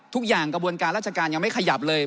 กระบวนการราชการยังไม่ขยับเลย